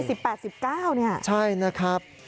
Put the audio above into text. ใช่๑๘๑๙เนี่ยใช่นะครับ